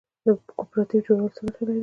د کوپراتیف جوړول څه ګټه لري؟